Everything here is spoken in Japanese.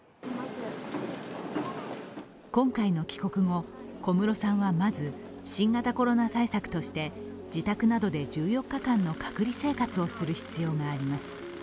今回の帰国後、小室さんはまず新型コロナ対策として自宅などで１４日間の隔離生活をする必要があります。